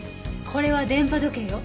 これは電波時計よ。